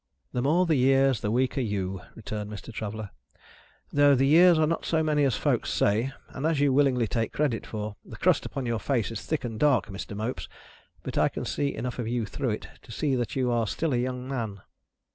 "The more the years, the weaker you," returned Mr. Traveller. "Though the years are not so many as folks say, and as you willingly take credit for. The crust upon your face is thick and dark, Mr. Mopes, but I can see enough of you through it, to see that you are still a young man."